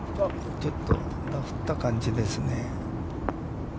ちょっとダフった感じですね。